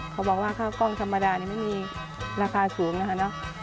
เขาบอกว่าข้าวกล้องธรรมดานี่ไม่มีราคาสูงนะคะเนอะ